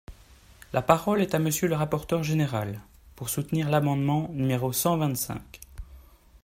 La parole est à Monsieur le rapporteur général, pour soutenir l’amendement numéro cent vingt-cinq.